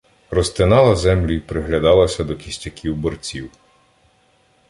Розтинала землю й приглядалася до кістяків борців.